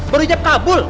baru hijab kabul